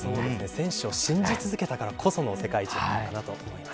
選手を信じ続けたからこその世界一かなと思います。